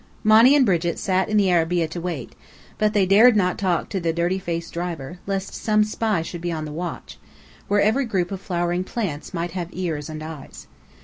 Monny and Brigit sat in the arabeah to wait, but they dared not talk to the dirty faced driver, lest some spy should be on the watch, where every group of flowering plants might have ears and eyes.